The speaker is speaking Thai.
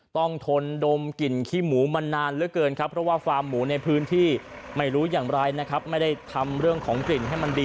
ต้องทนดมกลิ่นขี้หมูมันนานเรื่อยเกิน